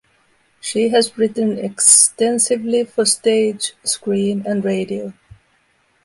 She has written extensively for stage, screen and radio.